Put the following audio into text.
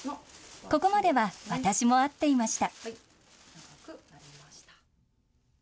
ここまでは私もあっていました。